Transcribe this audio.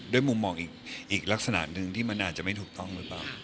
ด้วยมุมมองอีกลักษณะนึงที่มันอาจจะไม่ถูกต้องอีกป่ะ